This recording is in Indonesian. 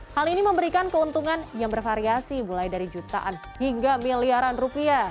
hal ini memberikan keuntungan yang bervariasi mulai dari jutaan hingga miliaran rupiah